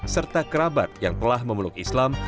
serta kerabat yang telah memeluk islam